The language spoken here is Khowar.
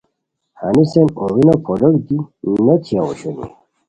ہنیسین اوڑینو پھولوک دی نو تھییاؤ اوشونی